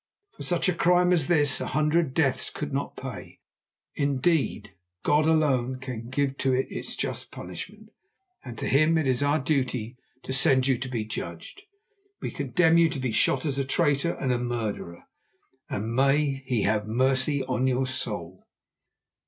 For such a crime as this a hundred deaths could not pay; indeed, God alone can give to it its just punishment, and to Him it is our duty to send you to be judged. We condemn you to be shot as a traitor and a murderer, and may He have mercy on your soul."